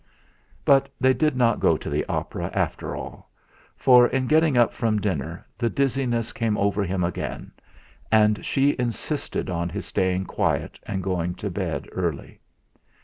But they did not go to the opera after all, for in getting up from dinner the dizziness came over him again, and she insisted on his staying quiet and going to bed early.